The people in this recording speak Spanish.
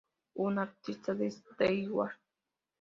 Es un artista de Steinway.